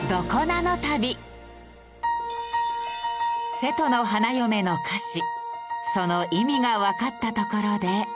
『瀬戸の花嫁』の歌詞その意味がわかったところで。